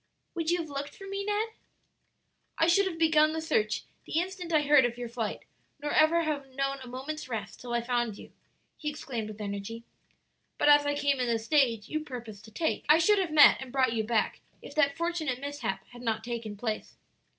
"Would you have looked for me, Ned?" "I should have begun the search the instant I heard of your flight, nor ever have known a moment's rest till I found you!" he exclaimed with energy. "But as I came in the stage you purposed to take, I should have met and brought you back, if that fortunate mishap had not taken place."